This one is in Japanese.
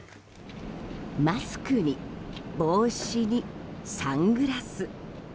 マスクに帽子にサングラス。